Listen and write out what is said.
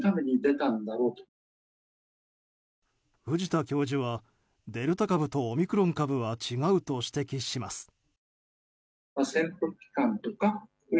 藤田教授はデルタ株とオミクロン株は違うと指摘します。